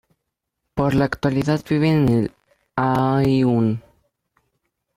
Por la actualidad vive en El Aaiún.